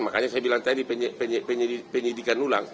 makanya saya bilang tadi penyelidikan ulang